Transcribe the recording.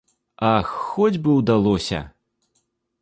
Ах, хоць бы ўдалося!